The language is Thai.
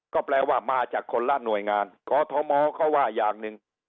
ก็แปลว่ามาจากคนละหน่วยงานกอทมก็ว่าอย่างหนึ่ง